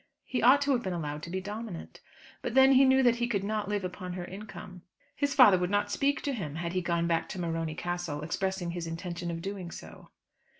He ought to have been allowed to be dominant. But then he knew that he could not live upon her income. His father would not speak to him had he gone back to Morony Castle expressing his intention of doing so.